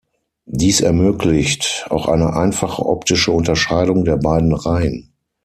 Dies ermöglicht auch eine einfache optische Unterscheidung der beiden Reihen.